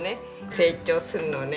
成長するのをね